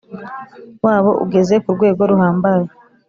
wabo ugeze ku rwego ruhambaye